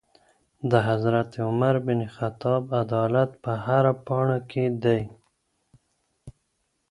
د حضرت عمر بن خطاب عدالت په هره پاڼې کي دی.